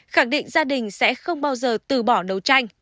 khẳng định gia đình sẽ không bao giờ từ bỏ đấu tranh